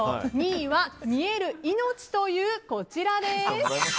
２位は見える命というこちら。